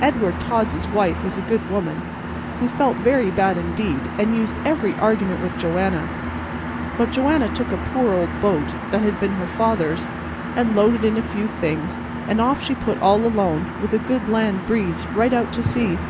Edward Todd's wife was a good woman, who felt very bad indeed, and used every argument with Joanna; but Joanna took a poor old boat that had been her father's and lo'ded in a few things, and off she put all alone, with a good land breeze, right out to sea.